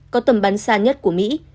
có tầm bắn xa nhất của mỹ